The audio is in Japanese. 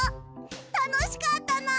たのしかったな！